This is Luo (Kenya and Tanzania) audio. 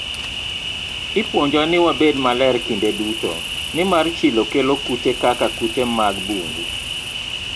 Ipuonjowa ni wabed maler kinde duto, nimar chilo kelo kute kaka kute mag bungu.